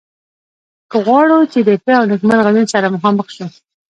که غواړو چې د ښه او نیکمرغه ژوند سره مخامخ شو.